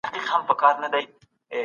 د شپې نیلي رڼا تولید کموي.